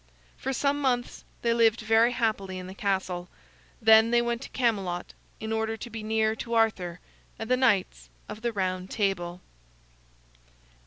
For some months they lived very happily in the castle. Then they went to Camelot in order to be near to Arthur and the Knights of the Round Table.